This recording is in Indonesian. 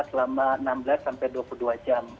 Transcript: selama enam belas sampai dua puluh dua jam